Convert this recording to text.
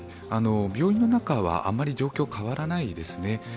病院の中はあまり状況は変わらないですね。